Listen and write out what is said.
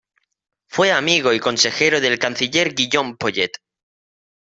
Fue amigo y consejero del canciller Guillaume Poyet.